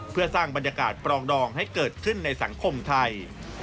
เพื่อสร้างบรรยากาศปรองดองให้เกิดขึ้นในสังคมไทย